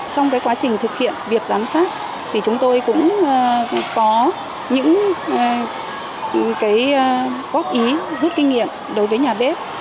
trong quá trình thực hiện việc giám sát thì chúng tôi cũng có những góp ý rút kinh nghiệm đối với nhà bếp